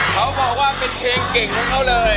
เขาบอกว่าเป็นเพลงเก่งของเขาเลย